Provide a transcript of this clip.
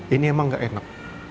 ini emang gak enak